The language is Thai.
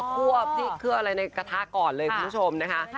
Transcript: ควบที่เครื่องอะไรในกระทะก่อนเลยคุณผู้ชมนะคะ